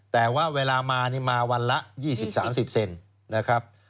แต่ว่าเวลามานี่มาวันละ๒๐๓๐เซนนะครับ